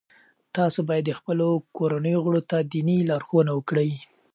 تاسو باید د خپلو کورنیو غړو ته دیني لارښوونه وکړئ.